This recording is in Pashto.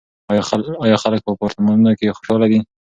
آیا خلک په اپارتمانونو کې خوشحاله دي؟